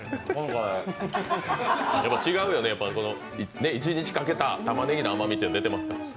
違うよね、一日かけたたまねぎの甘み、出てますか？